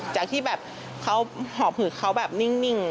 จากที่แบบเขาหอบหืดเขาแบบนิ่ง